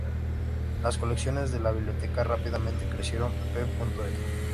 Las colecciones de la biblioteca rápidamente crecieron, p.ej.